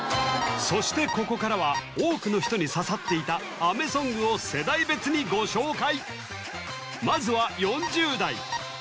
そしてここからは多くの人に刺さっていた雨ソングを世代別にご紹介